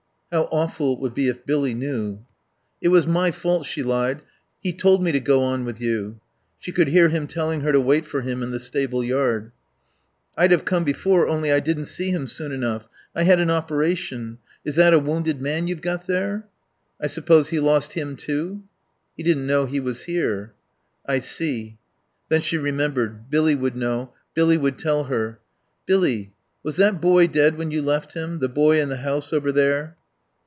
How awful it would be if Billy knew. "It was my fault," she lied. "He told me to go on with you." She could hear him telling her to wait for him in the stable yard. "I'd have come before only I didn't see him soon enough. I had an operation.... Is that a wounded man you've got there? I suppose he lost him, too?" "He didn't know he was here." "I see." Then she remembered. Billy would know. Billy would tell her. "Billy was that boy dead when you left him! The boy in the house over there."